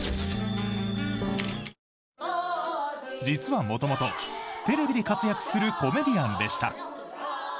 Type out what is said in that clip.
実は元々、テレビで活躍するコメディアンでした。